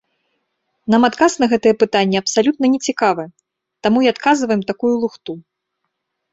Нам адказ на гэтае пытанне абсалютна не цікавы, таму і адказваем такую лухту.